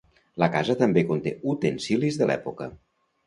La casa també conté utensilis de l'època.